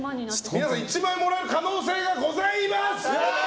皆さん、１万円もらえる可能性がございます。